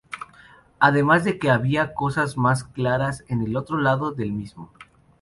Además de que había cosas más claras en el otro lado del mismo.